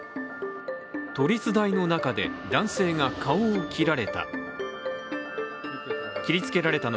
都立大の中で男性が顔を切られた。